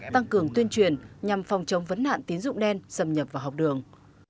tăng cường tuyên truyền nhằm phòng chống vấn nạn tín dụng đen xâm nhập vào học đường